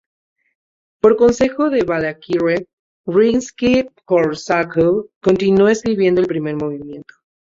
Por consejo de Balákirev, Rimski-Kórsakov continuó escribiendo el primer movimiento.